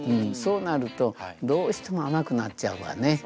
そうなるとどうしても甘くなっちゃうわね。